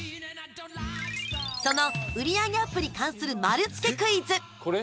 その、売り上げアップに関する丸つけクイズ！